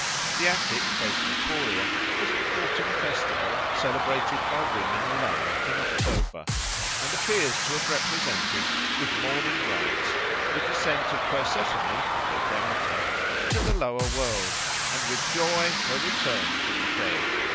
The Attic Thesmophoria was an autumn festival, celebrated by women alone in October, and appears to have represented with mourning rites the descent of Persephone (or Demeter) into the lower world, and with joy her return from the dead.